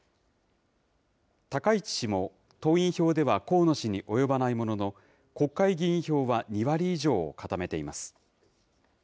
高市氏も党員票では河野氏に及ばないものの、国会議員票は２割以上を固めています。